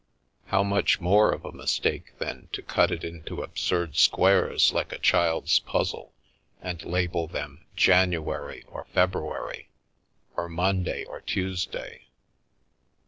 How much more of a mistake, then, to cut it into absurd squares, like a child's puzzle, and label them January or February, or Monday or Tuesday."